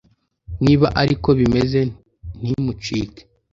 Niba ari ko bimeze ntimucike